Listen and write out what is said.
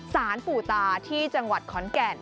สารปู่ตาที่จังหวัดขอนแก่น